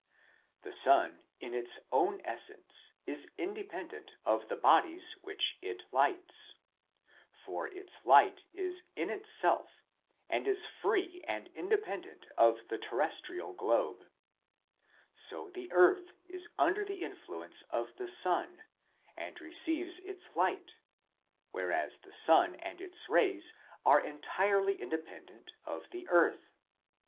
The sun in its own essence is independent of the bodies which it lights ; for its light is in itself, and is free and independent of the terrestrial globe; so the earth is under the influence of the sun and receives its light, whereas the sun and its rays are entirely in dependent of the earth.